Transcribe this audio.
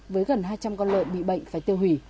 với gần hai trăm linh con lợn bị bệnh phải tiêu hủy